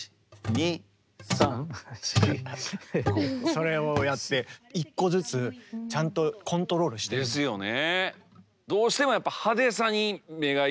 それをやって１個ずつちゃんとコントロールしてる。ですよね。